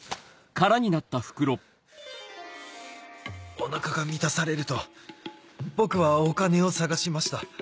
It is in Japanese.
お腹が満たされると僕はお金を探しました